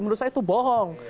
menurut saya itu bohong